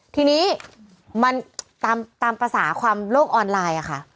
ทีนี้มันตามภาษาความโลกออนไลน์ค่ะ